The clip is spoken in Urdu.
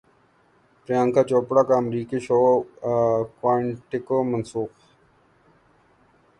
پریانکا چوپڑا کا امریکی شو کوائنٹیکو منسوخ